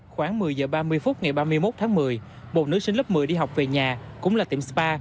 khoảng một mươi h ba mươi phút ngày ba mươi một tháng một mươi một nữ sinh lớp một mươi đi học về nhà cũng là tiệm spa